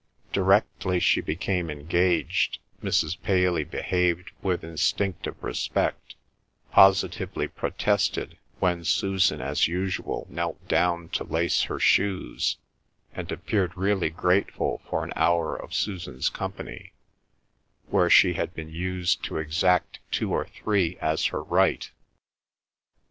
Directly she became engaged, Mrs. Paley behaved with instinctive respect, positively protested when Susan as usual knelt down to lace her shoes, and appeared really grateful for an hour of Susan's company where she had been used to exact two or three as her right.